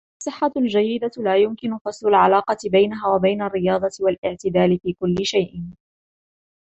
الصحة الجيدة لا يمكن فصل العلاقة بينها وبين الرياضة والاعتدال في كل شيء.